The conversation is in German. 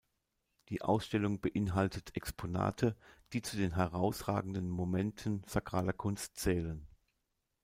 Die Ausstellung beinhaltet Exponate, die zu den herausragenden Momenten sakraler Kunst zählen.